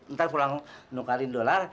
ntar pulang nukerin dolar